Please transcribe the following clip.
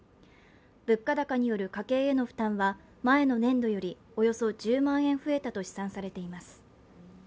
物価高による家計への負担は前の年度よりおよそ１０万円増えたと試算されています。